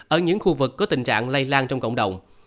ở những khu vực có tình trạng lây lan trong cộng đồng